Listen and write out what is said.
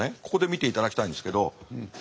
ここで見ていただきたいんですけど。